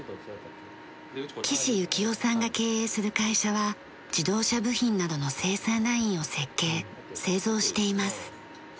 岸征男さんが経営する会社は自動車部品などの生産ラインを設計製造しています。